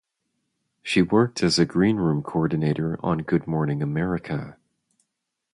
She worked as a green room coordinator on "Good Morning America".